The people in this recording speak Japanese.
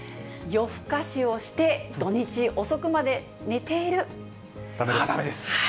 夜更かしをして土日遅くまでだめです。